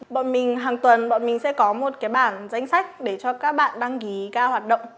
bọn mình hàng tuần sẽ có một cái bảng danh sách để cho các bạn đăng ký cao hoạt động